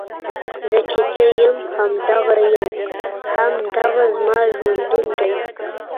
زۀ چې څۀ يم هم دغه يم، هـــم دغه زمـا ژونـد ون دی